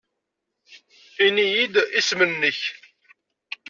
Ini-iyi-d isem-nnek.